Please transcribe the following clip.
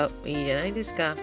いいじゃないですか！